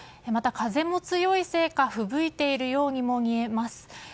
また、風も強いせいかふぶいているようにも見えます。